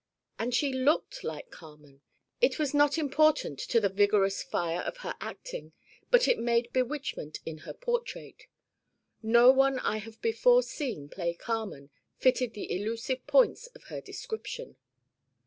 And she looked like Carmen. It was not important to the vigorous fire of her acting but it made bewitchment in the portrait. No one I have before seen play Carmen fitted the elusive points of her description.